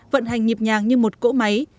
vận hành nhịp nhàng như một cỗ máy